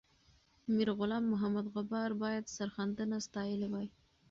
میرغلام محمد غبار باید سرښندنه ستایلې وای.